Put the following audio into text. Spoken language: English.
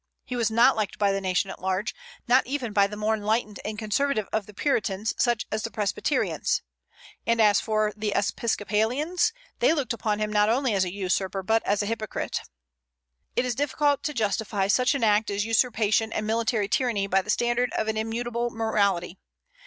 He was not liked by the nation at large, not even by the more enlightened and conservative of the Puritans, such as the Presbyterians; and as for the Episcopalians, they looked upon him not only as a usurper but as a hypocrite. It is difficult to justify such an act as usurpation and military tyranny by the standard of an immutable morality.